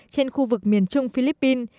trên khu vực miền trung philippines